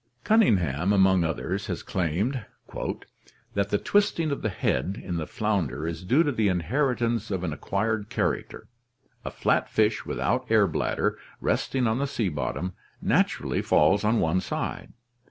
Cunningham among others has claimed "that the twisting of the head in the flounder is due to the inheritance of an acquired character. A flat fish without air bladder, resting on the sea bot tom, naturally falls on one side.